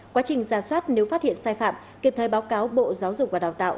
quá trình ra soát nếu phát hiện sai phạm kịp thời báo cáo bộ giáo dục và đào tạo